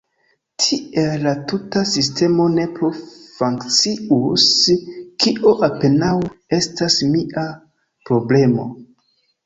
Tiel la tuta sistemo ne plu funkcius – kio apenaŭ estas mia problemo.